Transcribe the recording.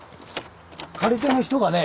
借り手の人がね